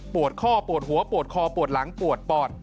ข้อปวดหัวปวดคอปวดหลังปวดปอด